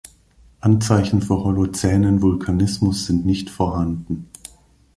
Anzeichen für holozänen Vulkanismus sind nicht vorhanden.